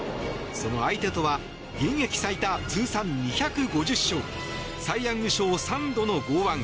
その相手とは現役最多、通算２５０勝サイ・ヤング賞３度の剛腕